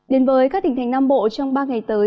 đến với các tỉnh thành nam bộ trong ba ngày tới